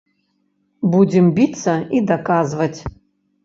Будзем біцца і даказваць.